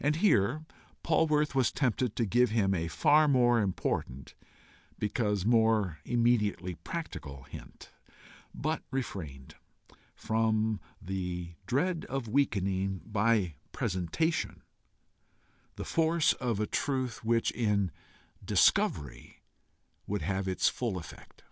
And here Polwarth was tempted to give him a far more important, because more immediately practical hint, but refrained, from the dread of weakening, by PRESENTATION, the force of a truth which, in DISCOVERY, would have its full effect.